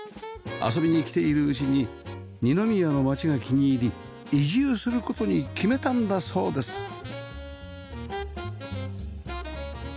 遊びに来ているうちに二宮の街が気に入り移住する事に決めたんだそうです